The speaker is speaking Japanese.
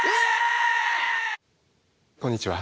こんにちは。